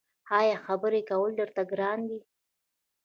ایا خبرې کول درته ګران دي؟